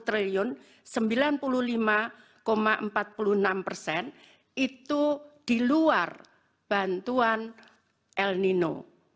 rp tujuh puluh lima enam puluh satu sembilan puluh lima empat ratus enam puluh enam itu di luar bantuan el nino